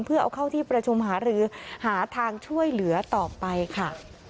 เพื่อเอาเข้าที่ประชุมหารือหาทางช่วยเหลือต่อไปค่ะ